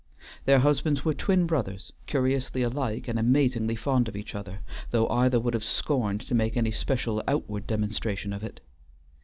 Their husbands were twin brothers, curiously alike and amazingly fond of each other, though either would have scorned to make any special outward demonstration of it.